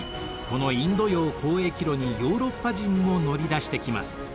このインド洋交易路にヨーロッパ人も乗り出してきます。